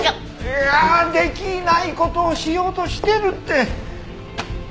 いやできない事をしようとしてるって！